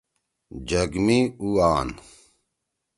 جگ می اُو آن۔